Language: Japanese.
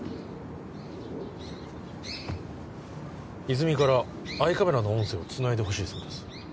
泉からアイカメラの音声をつないでほしいそうです